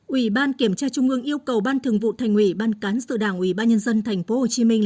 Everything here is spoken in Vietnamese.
ủy ban kiểm tra trung ương yêu cầu ban thường vụ thành ủy ban cán sự đảng ủy ban nhân dân tp hồ chí minh